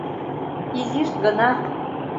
— Изиш гына.